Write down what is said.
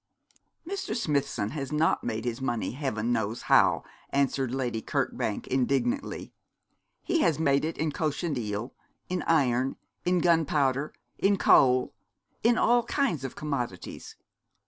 'Mr. Smithson has not made his money heaven knows how,' answered Lady Kirkbank, indignantly. 'He has made it in cochineal, in iron, in gunpowder, in coal, in all kinds of commodities.